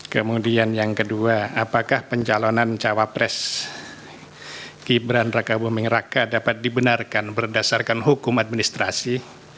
kemudian yang kedua apakah pencalonan cawapres gibran raka buming raka dapat dibenarkan berdasarkan hukum administrasi